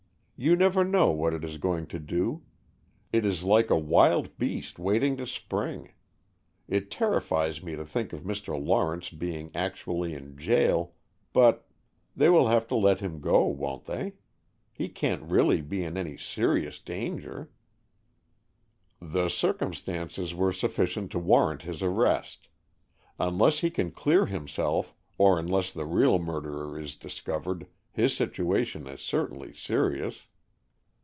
"You never know what it is going to do. It is like a wild beast, waiting to spring. It terrifies me to think of Mr. Lawrence being actually in jail, but they will have to let him go, won't they? He can't really be in any serious danger?" "The circumstances were sufficient to warrant his arrest. Unless he can clear himself, or unless the real murderer is discovered, his situation is certainly serious."